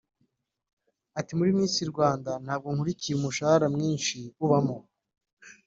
Ati “Muri Miss Rwanda ntabwo nkurikiye umushahara mwinshi ubamo